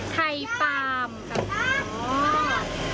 ไข่ปาล์มสำคัญเหรอ